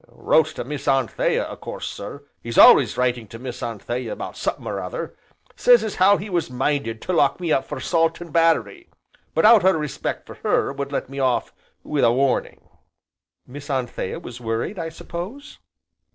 "Wrote to Miss Anthea, o' course, sir, he's always writing to Miss Anthea about summat or other, sez as how he was minded to lock me up for 'sault an' battery, but, out o' respect for her, would let me off, wi' a warning." "Miss Anthea was worried, I suppose?"